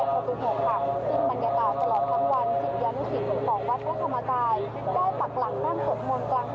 ส่วนบรรยากาศในช่วงเย็นก็มีสิทธิ์ยานุสิทธิ์ต่างส่วนก็พยายามเดินทางออกมาจาก